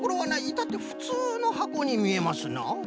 いたってふつうのはこにみえますな。